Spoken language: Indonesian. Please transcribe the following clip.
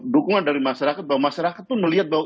dukungan dari masyarakat bahwa masyarakat pun melihat bahwa